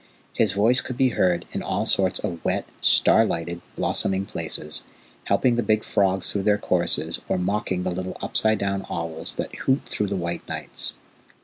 His voice could be heard in all sorts of wet, star lighted, blossoming places, helping the big frogs through their choruses, or mocking the little upside down owls that hoot through the white nights.